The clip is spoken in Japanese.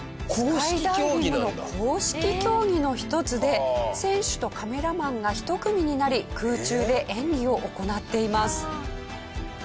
スカイダイビングの公式競技の１つで選手とカメラマンが１組になり空中で演技を行っています。